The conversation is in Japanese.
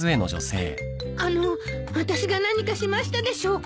あのあたしが何かしましたでしょうか？